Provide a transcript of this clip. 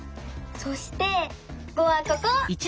そして「５」はここ！